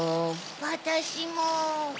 わたしも。